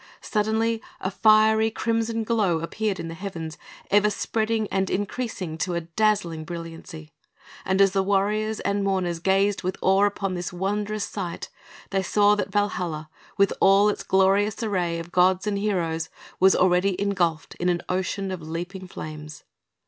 Suddenly a fiery, crimson glow appeared in the heavens, ever spreading and increasing to a dazzling brilliancy; and as the warriors and mourners gazed with awe upon this wondrous sight, they saw that Valhalla, with all its glorious array of gods and heroes, was already engulfed in an ocean of leaping flames.